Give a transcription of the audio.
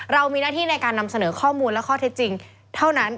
เรามีหน้าที่ในการนำเสนอข้อมูลและข้อเท็จจริงเท่านั้น